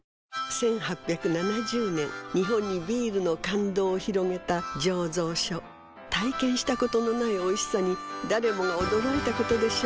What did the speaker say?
１８７０年日本にビールの感動を広げた醸造所体験したことのないおいしさに誰もが驚いたことでしょう